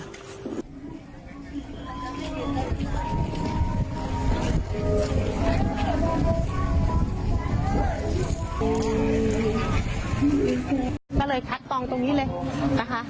ก็เลยคัดกองตรงนี้เลยนะคะ